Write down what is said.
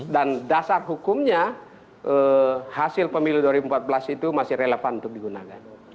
dan dasar hukumnya hasil pemilu dua ribu empat belas itu masih relevan untuk digunakan